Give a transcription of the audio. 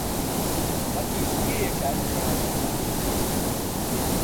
هەتیو کێیە کاری خراپ دەکا؟